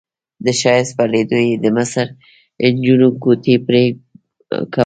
د ښایست په لیدو یې د مصر نجونو ګوتې پرې کولې.